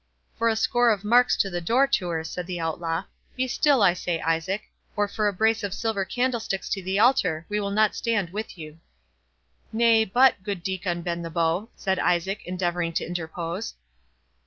"For a score of marks to the dortour," said the Outlaw,—"Be still, I say, Isaac!—or for a brace of silver candlesticks to the altar, we will not stand with you." "Nay, but, good Diccon Bend the Bow"—said Isaac, endeavouring to interpose.